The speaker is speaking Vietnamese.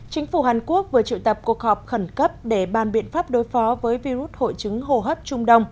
chính phủ hàn quốc vừa trự tập cuộc họp khẩn cấp để bàn biện pháp đối phó với virus hội chứng hồ hấp trung đông